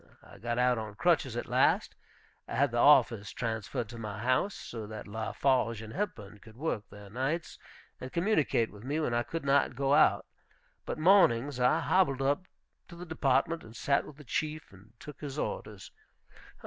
I got out on crutches at last; I had the office transferred to my house, so that Lafarge and Hepburn could work there nights, and communicate with me when I could not go out; but mornings I hobbled up to the Department, and sat with the Chief, and took his orders.